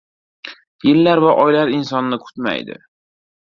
• Yillar va oylar insonni kutmaydi.